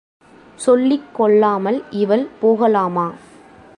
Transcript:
சொல்லிக் கொள்ளாமல் இவள் போகலாமா?